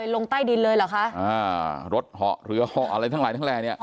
ลงใต้ดินเลยเหรอคะอ่ารถเหาะเรือเหาะอะไรทั้งหลายทั้งแหล่เนี่ย